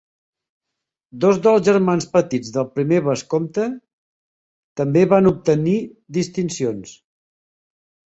Dos dels germans petits del primer vescomte també van obtenir distincions.